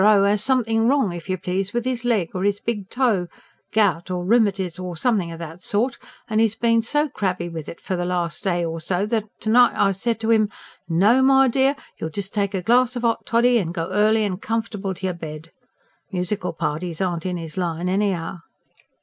O. has something wrong, if you please, with his leg or his big toe gout or rheumatiz or something of that sort and 'e's been so crabby with it for the last day or so that to night I said to 'im: 'No, my dear, you'll just take a glass of hot toddy, and go early and comfortable to your bed.' Musical parties aren't in his line anyhow."